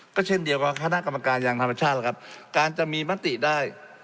ก็เช่นเดียวกับคณะกรรมการอย่างธรรมชาติแล้วครับการจะมีมติได้